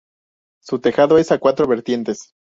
Su tejado es a cuatro vertientes.